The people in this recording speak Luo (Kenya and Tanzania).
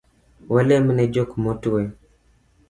Walem ne jok maotwe